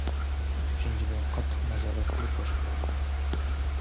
ئۈچىنچىدىن، قاتتىق نازارەت قىلىپ باشقۇرۇلىدۇ.